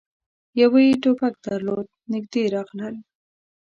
يوه يې ټوپک درلود. نږدې راغلل،